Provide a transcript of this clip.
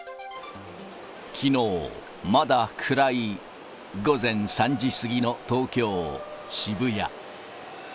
きのう、まだ暗い午前３時過ぎの東京・渋谷。